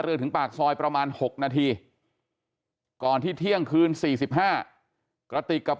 ถึงปากซอยประมาณ๖นาทีก่อนที่เที่ยงคืน๔๕กระติกกับ